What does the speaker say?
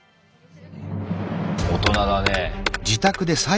大人だねぇ。